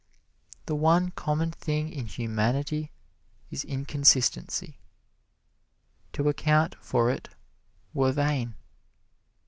The one common thing in humanity is inconsistency. To account for it were vain.